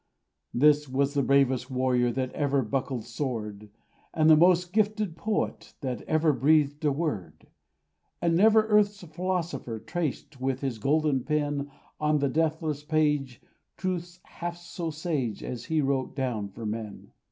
This was the bravest warrior That ever buckled sword; This the most gifted poet That ever breathed a word; And never earth's philosopher Traced, with his golden pen, On the deathless page, truths half so sage As he wrote down for men.